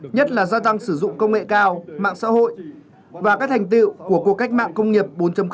nhất là gia tăng sử dụng công nghệ cao mạng xã hội và các thành tiệu của cuộc cách mạng công nghiệp bốn